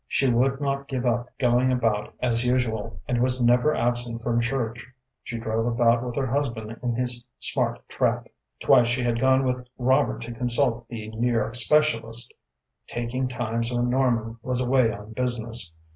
She would not give up going about as usual, and was never absent from church. She drove about with her husband in his smart trap. Twice she had gone with Robert to consult the New York specialist, taking times when Norman was away on business.